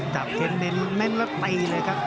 จากเทรนเดนแม่นละไปเลยครับ